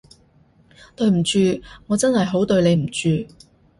對唔住，我真係好對你唔住